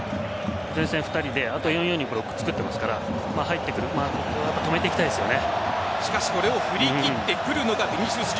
前線２人で４ー４ー２でブロック作っていきますから入っていくのを止めていきたいですよね。